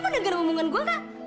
mau negara hubungan gue gak